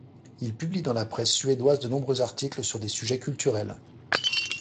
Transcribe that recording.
Il publie dans la presse suédoise de nombreux articles sur des sujets culturels.